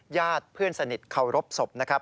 ญาติเพื่อนสนิทเคารพศพนะครับ